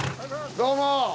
どうも。